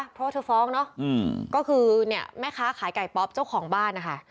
เพราะว่าเธอฟ้องเนาะก็คือเนี่ยแม่ค้าขายไก่ป๊อปเจ้าของบ้านนะคะ